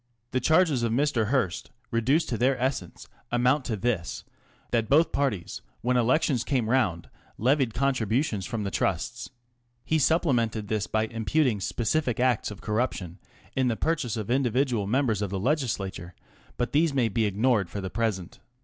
The charges of Mr. Hearst, reduced to their essence, amount to this, that both parties when elections came round levied con tributions from the Trusts, He supplemented this by imputing specific acts of corruption in the purchase of individual members of the legislature, but these may be ignored for the present.